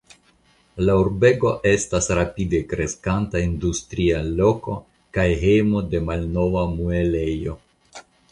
La urbego estas rapide kreskanta industria loko kaj hejmo de malnova muelejo.